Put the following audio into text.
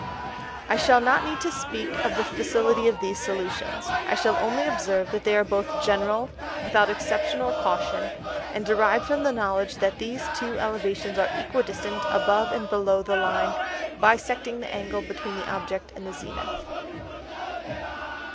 _ I shall not need to speak of the Facility of these Solutions, I shall only observe that they are both General, without Exception or Caution, and derived from the Knowledge that these two Elevations are equidistant above and below the Line, bisecting the Angle between the Object and the Zenith.